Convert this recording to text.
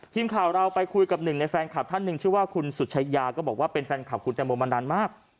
ทีมข่าวเราไปคุยกับหนึ่งในแฟนคลับท่านหนึ่งชื่อว่าคุณสุชายาก็บอกว่าเป็นแฟนคลับคุณแตงโมมานานมาก